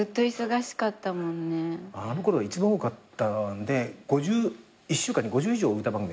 あのころは一番多かったので１週間に５０以上歌番組あった。